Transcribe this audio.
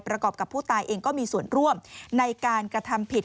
กับผู้ตายเองก็มีส่วนร่วมในการกระทำผิด